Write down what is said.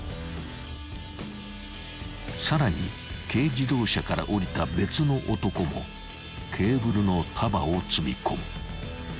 ［さらに軽自動車から降りた別の男もケーブルの束を積み込む］